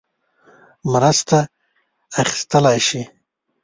مرسته اخیستلای شي.